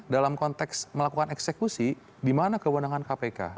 dalam konteks melakukan eksekusi di mana kewenangan kpk